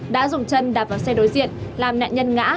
đã dùng chân đạp vào xe đối diện làm nạn nhân ngã